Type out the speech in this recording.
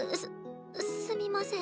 すすみません。